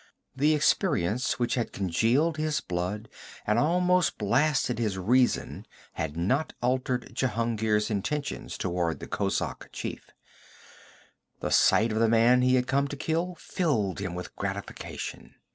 The experience which had congealed his blood and almost blasted his reason had not altered Jehungir's intentions toward the kozak chief. The sight of the man he had come to kill filled him with gratification.